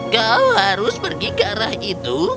kau harus pergi ke arah itu